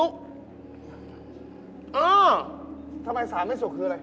เกิดอะไรขึ้น